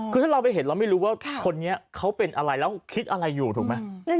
คือถ้าเราไปเห็นเราไม่รู้ว่าคนนี้เขาเป็นอะไรแล้วคิดอะไรอยู่ถูกไหม